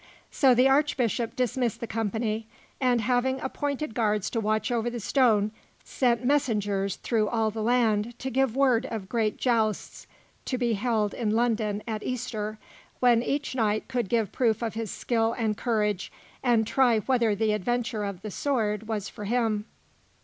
So the Archbishop dismissed the company, and having appointed guards to watch over the stone, sent messengers through all the land to give word of great jousts to be held in London at Easter, when each knight could give proof of his skill and courage, and try whether the adventure of the sword was for him.